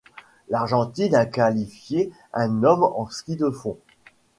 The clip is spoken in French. L'Argentine a qualifié un homme en ski de fond.